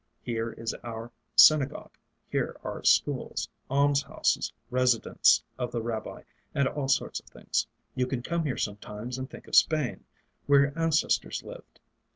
Here is our synagogue, here are schools, alms houses, residence of the Rabbi, and all sorts of things. You can come here sometimes and think of Spain, where your ancestors lived.